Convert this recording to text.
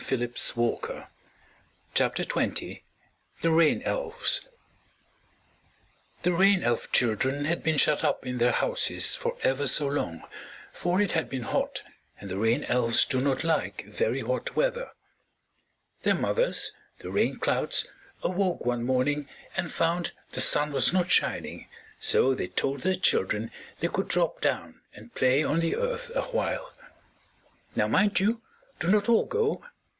THE RAIN ELVES [Illustration: The Rain Elves] The Rain Elf children had been shut up in their houses for ever so long, for it had been hot and the Rain Elves do not like very hot weather. Their mothers, the Rain Clouds, awoke one morning and found the sun was not shining, so they told their children they could drop down and play on the Earth awhile. "Now, mind you, do not all go.